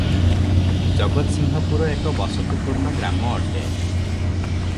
ଜଗତ୍ସିଂହପୁର ଏକ ବସତିପୂର୍ଣ୍ଣ ଗ୍ରାମ ଅଟେ ।